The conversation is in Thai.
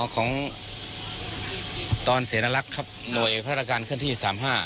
ของตอนเสนอรักครับหน่วยพัฒนาการเคลื่อนที่สามห้า